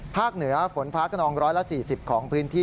เหนือฝนฟ้ากระนอง๑๔๐ของพื้นที่